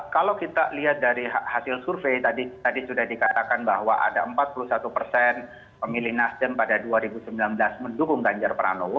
kalau kita lihat dari hasil survei tadi sudah dikatakan bahwa ada empat puluh satu persen pemilih nasdem pada dua ribu sembilan belas mendukung ganjar pranowo